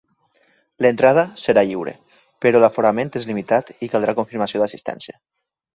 L'entrada serà lliure, però l'aforament és limitat i caldrà confirmació d'assistència.